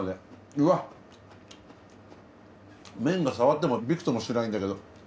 うわ麺が触ってもビクともしないんだけど。